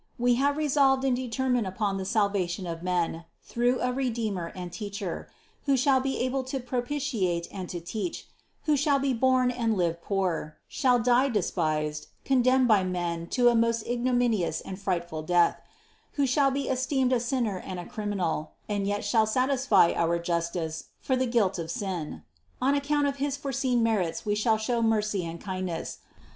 We have resolved and determined upon the salvation of men, through a Redeemer and Teacher, who shall be able to propitiate and to teach, who shall be born and live poor, shall die despised, condemned by men to a most ignominious and frightful Death; who shall be esteemed a sinner and a criminal, and yet shall satisfy our justice for the guilt of sin. On account of his foreseen merits We will show mercy and kindness.